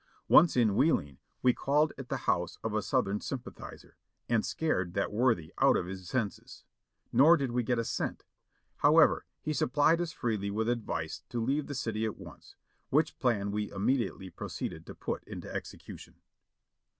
Once in Wheeling we called at the house of a Southern sym pathizer and scared that worthy out of his senses ; nor did we get a cent. However, he supplied us freely with advice to leave the city at once, which plan we immediately proceeded to put into execution.